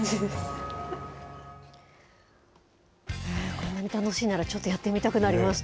こんなに楽しいなら、ちょっとやってみたくなりました。